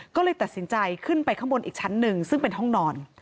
ก็เลยตัดสินใจขึ้นไปข้างบนอีกชั้นหนึ่งซึ่งเป็นห้องนอน